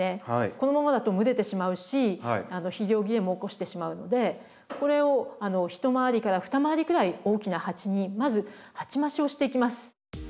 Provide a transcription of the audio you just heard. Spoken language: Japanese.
このままだと蒸れてしまうし肥料切れも起こしてしまうのでこれを一回りから二回りくらい大きな鉢にまず鉢増しをしていきます。